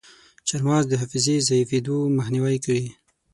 چارمغز د حافظې ضعیفیدو مخنیوی کوي.